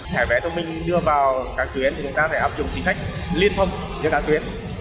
thẻ vé thông minh đưa vào các tuyến thì chúng ta phải áp dụng chính sách liên phong cho các tuyến